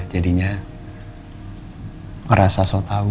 jadinya merasa so tau